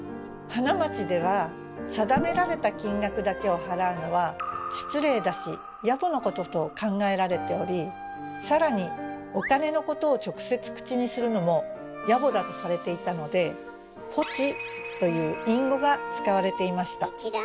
花街では定められた金額だけを払うのは失礼だし野暮なことと考えられており更にお金のことを直接口にするのも野暮だとされていたので「ぽち」という隠語が使われていました。